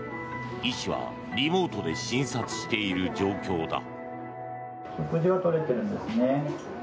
医師はリモートで診察している状況だ。